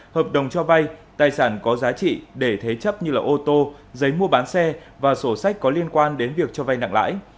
hợp đồng cho vay tài sản có giá trị để thế chấp như ô tô giấy mua bán xe và sổ sách có liên quan đến việc cho vay nặng lãi